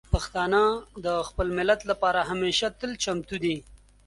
پښتانه د خپل ملت لپاره همیشه تل چمتو دي.